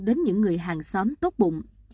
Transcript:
đến những người hàng xóm tốt bụng